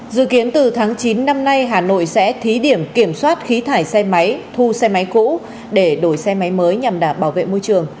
dự kiến từ tháng chín năm nay hà nội sẽ thí điểm kiểm soát khí thải xe máy thu xe máy cũ để đổi xe máy mới nhằm đảm bảo vệ môi trường